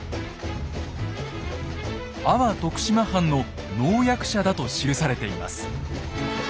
阿波徳島藩の能役者だと記されています。